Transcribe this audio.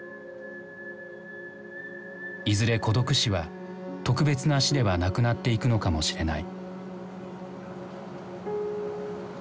いずれ孤独死は特別な死ではなくなっていくのかもしれない。